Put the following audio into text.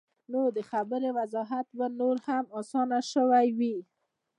نو د خبرې وضاحت به نور هم اسان شوے وۀ -